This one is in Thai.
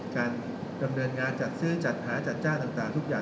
การดำเนินงานจัดซื้อจัดหาจัดจ้างต่างทุกอย่าง